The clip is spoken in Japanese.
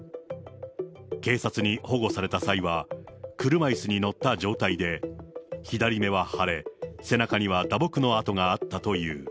警察に保護された際は、車いすに乗った状態で、左目は腫れ、背中には打撲の跡があったという。